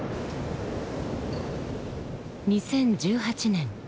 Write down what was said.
２０１８年